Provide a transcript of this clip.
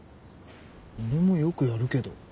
俺もよくやるけど。